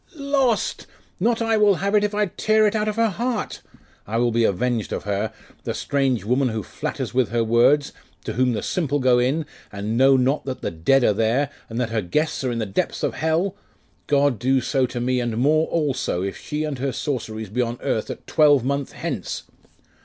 lost! Not I will have it, if I tear it out of her heart! I will be avenged of her the strange woman who flatters with her words, to whom the simple go in, and know not that the dead are there, and that her guests are in the depths of hell! God do so to me, and more also, if she and her sorceries be on earth a twelvemonth hence!